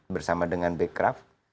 bersama dengan bekraf